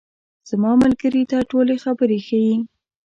زما ملګري ته ټولې خبرې ښیې.